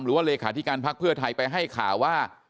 เลขาธิการพักเพื่อไทยไปให้ข่าวว่า